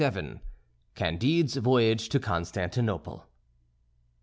XXVII CANDIDE'S VOYAGE TO CONSTANTINOPLE.